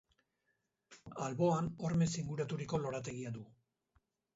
Alboan hormez inguraturiko lorategia du.